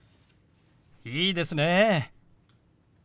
いいですね。